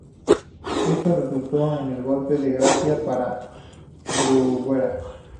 Esto resultó en el golpe de gracia para Bruguera.